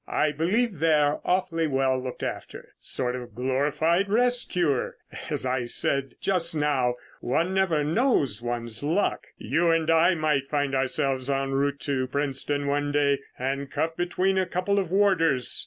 "I believe they're awfully well looked after. Sort of glorified rest cure. As I said just now, one never knows one's luck. You and I might find ourselves en route to Princetown one day, handcuffed between a couple of warders.